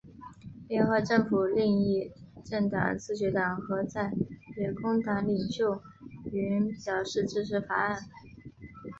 联合政府另一政党自民党和在野工党领袖均表示支持法案。